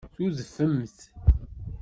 Tudfemt.